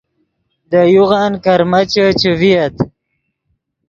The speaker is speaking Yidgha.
لے یوغن کرمیچے چے ڤییت